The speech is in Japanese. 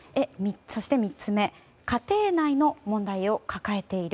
３つ目家庭内の問題を抱えている。